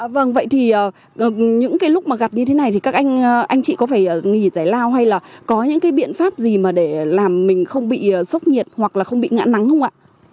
vâng vậy thì những cái lúc mà gặp như thế này thì các anh anh chị có phải nghỉ giải lao hay là có những cái biện pháp gì mà để làm mình không bị sốc nhiệt hoặc là không bị ngã nắng không ạ